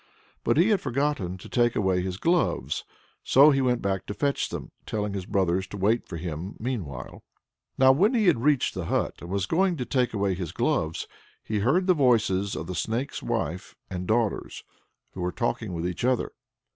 But he had forgotten to take away his gloves, so he went back to fetch them, telling his brothers to wait for him meanwhile. Now when he had reached the hut and was going to take away his gloves, he heard the voices of the Snake's wife and daughters, who were talking with each other.